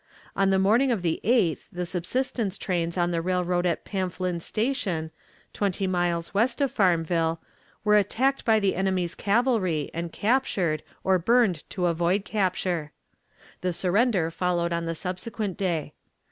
On the morning of the 8th the subsistence trains on the railroad at Pamphlin's Station, twenty miles west of Farmville, were attacked by the enemy's cavalry and captured, or burned to avoid capture. The surrender followed on the subsequent day.